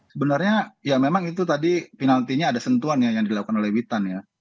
sebenarnya ya memang itu tadi penaltinya ada sentuhan ya yang dilakukan oleh witan ya